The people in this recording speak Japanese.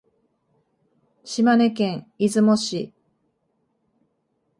島根県出雲市